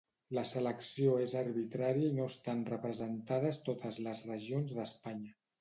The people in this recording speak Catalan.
La selecció és arbitrària i no estan representades totes les regions d'Espanya.